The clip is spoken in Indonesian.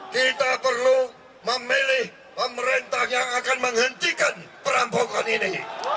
kita perlu memilih pemerintah yang akan menghentikan perampokan ini